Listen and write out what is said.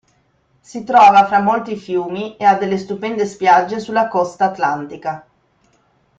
Si trova fra molti fiumi e ha delle stupende spiagge sulla costa atlantica.